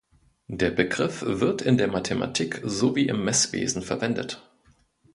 Der Begriff wird in der Mathematik sowie im Messwesen verwendet.